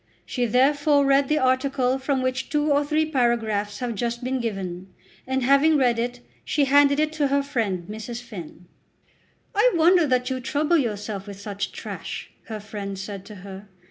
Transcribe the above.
She therefore read the article from which two or three paragraphs have just been given, and having read it she handed it to her friend Mrs. Finn. "I wonder that you trouble yourself with such trash," her friend said to her.